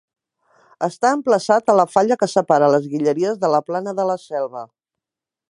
Està emplaçat a la falla que separa les Guilleries de la plana de la Selva.